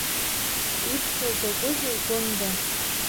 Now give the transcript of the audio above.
Ибҳәо закәызеи, Гәында?!